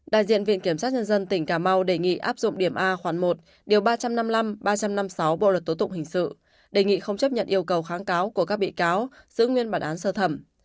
các bị cáo trần duy phương phương mắc trần duy phương mắc trần duy phương mắc đề nghị ấp dụng điểm a khoảng một điểm ba trăm năm mươi năm ba trăm năm mươi sáu bộ luật tố tụng hình sự đề nghị không chấp nhận yêu cầu kháng cáo của các bị cáo giữ nguyên bản án sơ thẩm